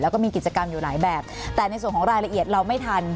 แล้วก็มีกิจกรรมอยู่หลายแบบแต่ในส่วนของรายละเอียดเราไม่ทัน